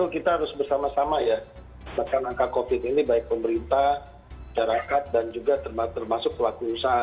kita harus bersama sama ya menekan angka covid ini baik pemerintah carakat dan juga termasuk pelaku usaha